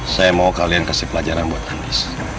saya mau kalian kasih pelajaran buat anies